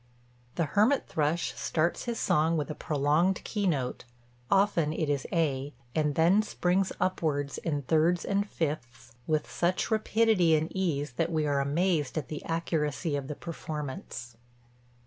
The hermit thrush starts his song with a prolonged keynote (often it is A) and then springs upwards in thirds and fifths with such rapidity and ease that we are amazed at the accuracy of the performance.